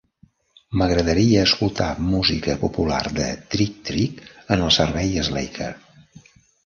M'agradaria escoltar música popular de Trick-trick en el servei Slacker.